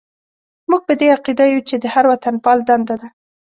موږ په دې عقیده یو چې د هر وطنپال دنده ده.